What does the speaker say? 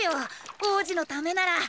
王子のためなら！